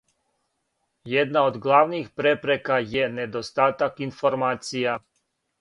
Једна од главних препрека је недостатак информација.